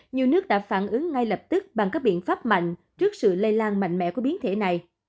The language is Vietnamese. nhiều nước đã phản ứng ngay lập tức bằng các biện pháp mạnh trước sự lây lan mạnh mẽ của biến thể này